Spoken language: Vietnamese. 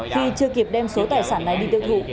khi chưa kịp đem số tài sản này đi tiêu thụ